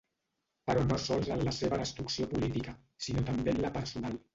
Però no sols en la seva destrucció política, sinó també en la personal.